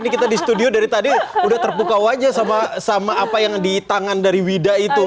ini kita di studio dari tadi udah terpukau aja sama apa yang di tangan dari wida itu